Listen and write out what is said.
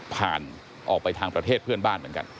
ผ่านออกไปทางประเทศเพื่อนบ้านเหมือนกัน